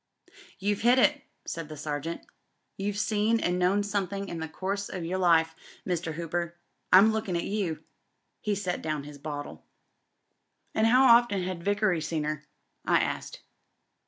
"You've hit it," said the Sergeant. "You've seen an' known somethin' in the course o' your life, Mr. Hooper. I'm lookin' at youl" He set down his bottle. And how often had Vickery seen her?" I asked.